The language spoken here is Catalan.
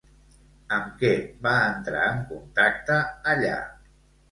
Amb què va entrar en contacte allà?